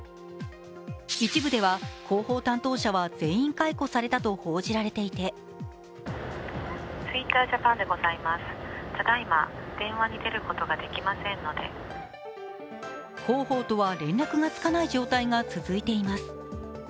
一部では広報担当者は全員解雇されたと報じられていて広報とは連絡がつかない状態が続いています。